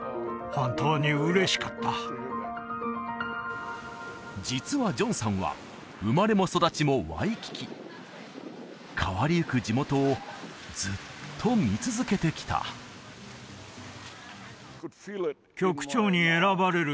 本当に嬉しかった実はジョンさんは生まれも育ちもワイキキ変わりゆく地元をずっと見続けてきた局長に選ばれる